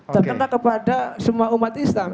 karena kepada semua umat islam